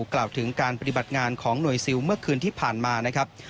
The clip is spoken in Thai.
กล่าวถึงการปฏิบัติงานของหน่วยซิลเมื่อคืนที่ผ่านมานะครับ